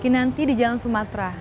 nanti di jalan sumatra